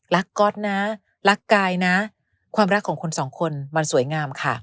ก๊อตนะรักกายนะความรักของคนสองคนมันสวยงามค่ะ